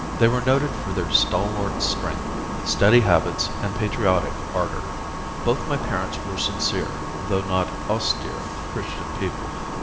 They were noted for their stalwart strength, steady habits, and patriotic ardor. Both my parents were sincere, though not austere, Christian people.